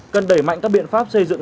cần đẩy mạnh các biện pháp xây dựng